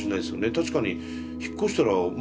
確かに引っ越したら周り